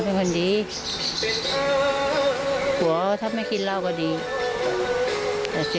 แม่ของแม่แม่ของแม่